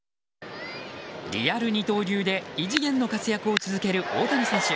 リアル二刀流で異次元の活躍を続ける大谷選手。